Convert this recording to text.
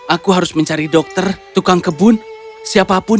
aku harus mencari dokter tukang kebun siapapun